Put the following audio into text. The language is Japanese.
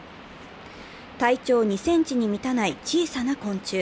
体長２ｃｍに満たない小さな昆虫。